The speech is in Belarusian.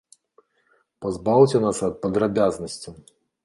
Пазбаўце нас ад падрабязнасцяў!